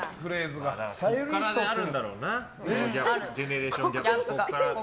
ギャップがあるんだろうなジェネレーションの。